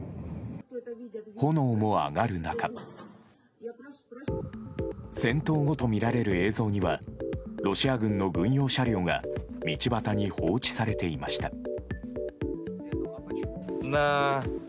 炎も上がる中戦闘後とみられる映像にはロシア軍の軍用車両が道端に放置されていました。